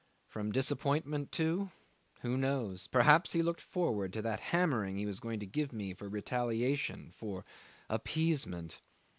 From disappointment too who knows? Perhaps he looked forward to that hammering he was going to give me for rehabilitation, for appeasement?